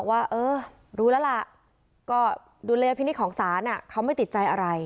ว่าเออรู้แล้วล่ะก็ดุลยพินิษฐ์ของศาลเขาไม่ติดใจอะไร